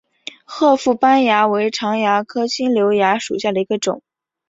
褐腹斑蚜为常蚜科新瘤蚜属下的一个种。